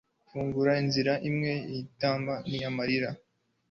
fungura inzira imwe yintimba n'amarira